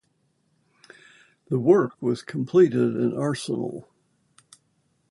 The work was completed in Arsenal.